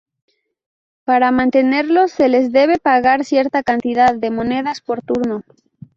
Para mantenerlos, se les debe pagar cierta cantidad de monedas por turno.